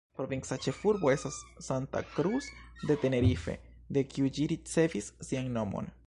Provinca ĉefurbo estas Santa Cruz de Tenerife, de kiu ĝi ricevis sian nomon.